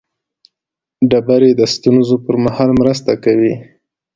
ډبرې د ستونزو پر مهال مرسته کوي.